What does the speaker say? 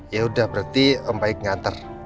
yaudah berarti om baik nganter